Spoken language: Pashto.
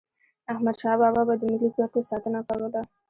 احمدشاه بابا به د ملي ګټو ساتنه کوله.